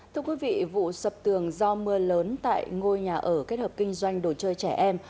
thưa quý vị vụ sập tường do mưa lớn tại ngôi nhà ở kết hợp kinh doanh đồ chơi trẻ em